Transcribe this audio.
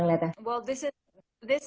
gimana tuh mbak hana ngeliatnya